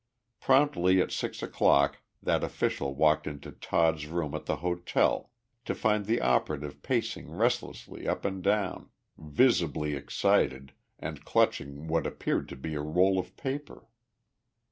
Promptly at six o'clock that official walked into Todd's room at the hotel, to find the operative pacing restlessly up and down, visibly excited and clutching what appeared to be a roll of paper.